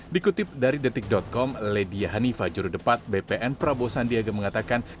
dikutip dari detik com ledia hanifa jurudepat bpn prabowo sandiaga mengatakan